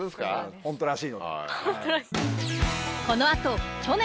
ホントらしい。